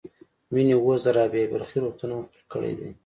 مينې اوس د رابعه بلخي روغتون هم خپل کړی دی.